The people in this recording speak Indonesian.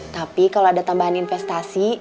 tapi kalau ada tambahan investasi